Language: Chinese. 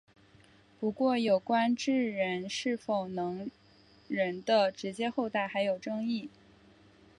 不过有关智人是否能人的直接后代还有争议。